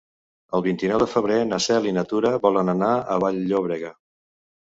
El vint-i-nou de febrer na Cel i na Tura volen anar a Vall-llobrega.